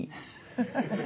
ハハハ。